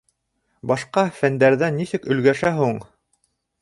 Башҡа фәндәрҙән нисек өлгәшә һуң?